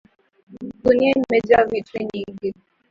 Gunia imejaa vitu nyingi.